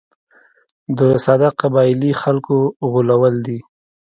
د ساده قبایلي خلکو غولول دي.